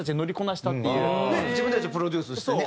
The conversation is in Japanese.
自分たちでプロデュースしてね。